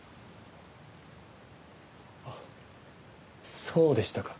あっそうでしたか。